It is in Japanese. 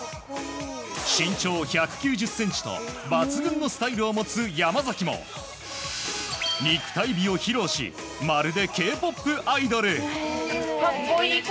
身長１９０ｃｍと抜群のスタイルを持つ山崎も肉体美を披露しまるでＫ‐ＰＯＰアイドル。